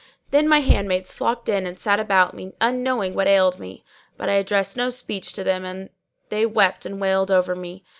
Then my handmaids flocked in and sat about me, unknowing what ailed me; but I addressed no speech to them, and they wept and wailed over me.